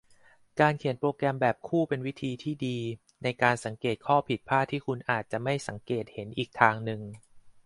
การเขียนโปรแกรมแบบคู่เป็นวิธีที่ดีในการสังเกตข้อผิดพลาดที่คุณอาจจะไม่สังเกตเห็นอีกทางหนึ่ง